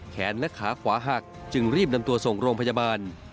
แขนและขาขวาหักจึงรีบนำตัวส่งโรงพยาบาล